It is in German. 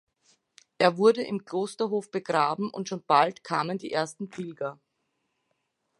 Er wurde im Klosterhof begraben, und schon bald kamen die ersten Pilger.